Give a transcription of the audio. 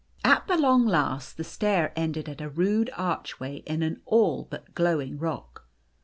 At the long last, the stair ended at a rude archway in an all but glowing rock.